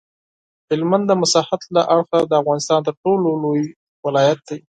هلمند د مساحت له اړخه د افغانستان تر ټولو لوی ولایت دی.